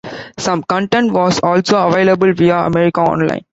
Some content was also available via America Online.